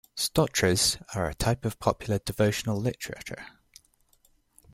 Stotras are a type of popular devotional literature.